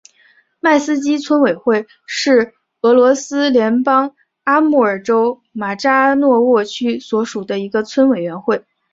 迈斯基村委员会是俄罗斯联邦阿穆尔州马扎诺沃区所属的一个村委员会。